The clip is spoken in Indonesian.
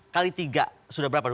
kali tiga sudah berapa dua puluh satu